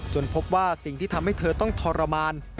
พบว่าสิ่งที่ทำให้เธอต้องทรมาน